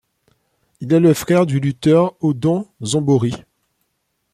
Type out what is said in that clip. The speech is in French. Il est le frère du lutteur Ödön Zombori.